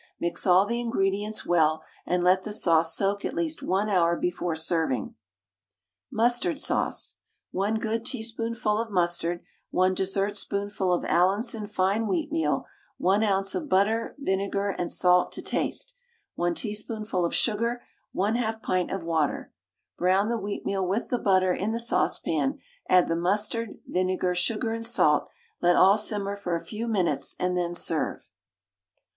Mix all the ingredients well, and let the sauce soak at least 1 hour before serving. MUSTARD SAUCE. 1 good teaspoonful of mustard, 1 dessertspoonful of Allinson fine wheatmeal, 1 oz. of butter, vinegar and salt to taste, 1 teaspoonful of sugar, 1/2 pint of water. Brown the wheatmeal with the butter in the saucepan, add the mustard, vinegar, sugar, and salt, let all simmer for a few minutes, and then serve.